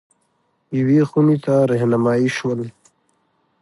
یوې خونې ته رهنمايي شول.